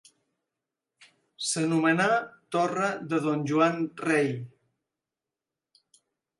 S'anomenà Torre de Don Joan Rei.